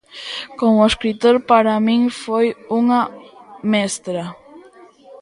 Como escritor, para min foi unha mestra.